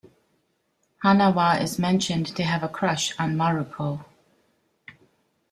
Hanawa is mentioned to have a crush on Maruko.